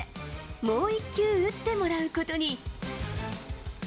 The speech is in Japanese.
もう１球、打ってもらうことに。